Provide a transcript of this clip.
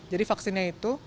jadi vaksinnya itu